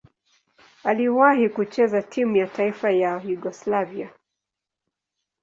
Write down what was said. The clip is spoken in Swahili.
Aliwahi kucheza timu ya taifa ya Yugoslavia.